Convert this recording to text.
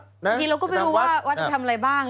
บางทีเราก็ไม่รู้ว่าวัดจะทำอะไรบ้าง